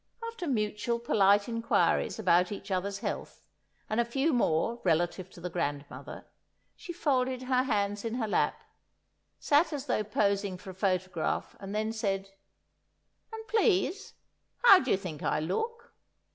After mutual polite inquiries about each other's health, and a few more relative to the grandmother, she folded her hands in her lap, sat as though posing for a photograph, and then said: "And please, how do you think I look?"